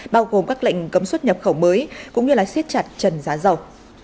bao gồm các lệnh cấm xuất nhập khẩu mới cũng như siết chặt trần giá dầu